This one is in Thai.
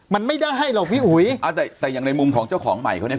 มันไม่ได้หรอกพี่อุ๋ยอ่าแต่แต่อย่างในมุมของเจ้าของใหม่เขาเนี้ย